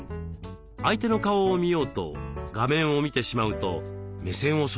相手の顔を見ようと画面を見てしまうと目線をそらしているように見えます。